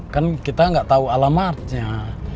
kan kita nggak tahu alamatnya